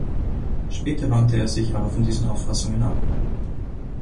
Später wandte er sich aber von diesen Auffassungen ab.